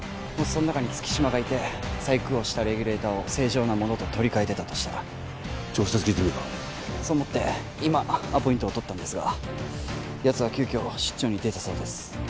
もしその中に月島がいて細工をしたレギュレーターを正常なものと取り替えてたとしたら直接聞いてみるかそう思って今アポイントを取ったんですがやつは急きょ出張に出たそうです